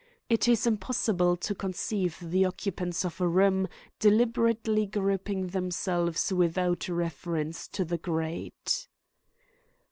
It is impossible to conceive the occupants of a room deliberately grouping themselves without reference to the grate.